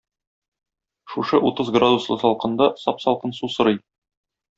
Шушы утыз градуслы салкында сап-салкын су сорый.